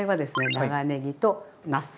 長ねぎとなす。